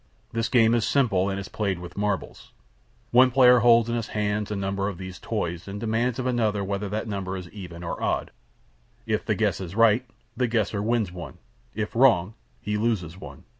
This game is simple, and is played with marbles. One player holds in his hand a number of these toys, and demands of another whether that number is even or odd. If the guess is right, the guesser wins one; if wrong, he loses one.